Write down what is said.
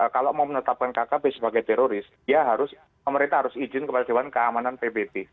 kalau mau menetapkan kkb sebagai teroris pemerintah harus izin kepada dewan keamanan pbt